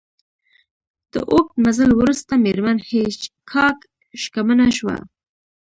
د اوږد مزل وروسته میرمن هیج هاګ شکمنه شوه